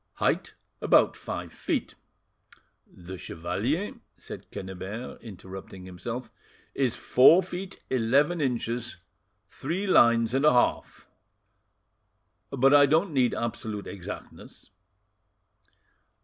"'Height about five feet.' The chevalier," said Quennebert, interrupting himself, "is four feet eleven inches three lines and a half, but I don't need absolute exactness."